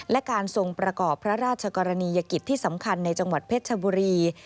และการทรงประกอบพระราชกรณียกิจที่สำคัญในจังหวัดเพชรชบุรี